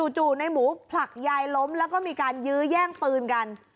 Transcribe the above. จู่ในหมูผลักยายล้มแล้วก็มีการยื้อแย่งปืนกัน